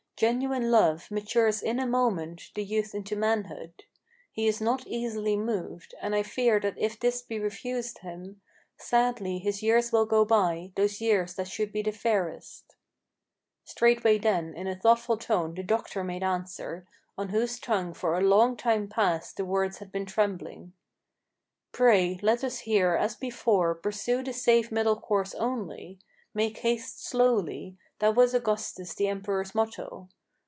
Genuine love matures in a moment the youth into manhood; He is not easily moved; and I fear that if this be refused him, Sadly his years will go by, those years that should be the fairest," Straightway then in a thoughtful tone the doctor made answer, On whose tongue for a long time past the words had been trembling: "Pray let us here as before pursue the safe middle course only. Make haste slowly: that was Augustus the emperor's motto.